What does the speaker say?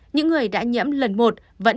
những người đã nhiễm lần một vẫn